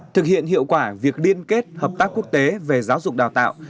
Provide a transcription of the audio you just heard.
thực hiện hiệu quả việc liên kết hợp tác quốc tế về giáo dục đào tạo